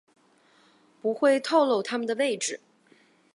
不会透漏他们的位置